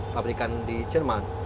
pabrikan di jerman